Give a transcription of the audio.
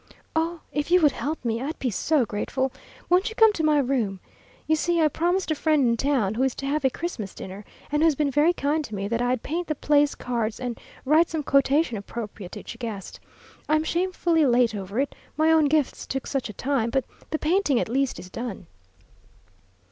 "Oh, if you would help me, I'd be so grateful! Won't you come to my room? You see, I promised a friend in town, who is to have a Christmas dinner, and who's been very kind to me, that I'd paint the place cards and write some quotation appropriate to each guest. I'm shamefully late over it, my own gifts took such a time; but the painting, at least, is done."